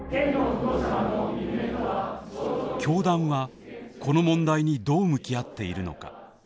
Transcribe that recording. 教団は、この問題にどう向き合っているのか。